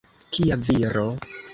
Kia viro!